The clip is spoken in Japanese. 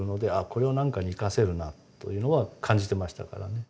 これを何かに生かせるなというのは感じてましたからね。